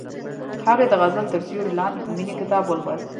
هغې د غزل تر سیوري لاندې د مینې کتاب ولوست.